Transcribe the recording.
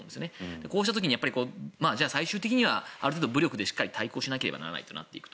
こうした時に最終的にはある程度、武力でしっかり対抗しなければならないとなっていくと。